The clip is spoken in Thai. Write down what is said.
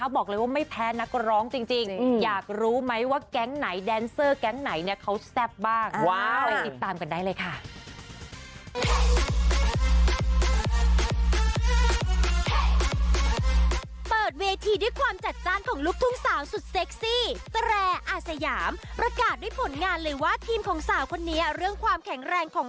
บอกเลยว่าไม่แพ้นักร้องจริงอยากรู้ไหมว่าแก๊งไหนแดนเซอร์แก๊งไหนเนี่ยเขาแซ่บบ้าง